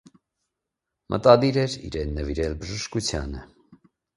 Մտադիր էր իրեն նվիրել բժշկությանը։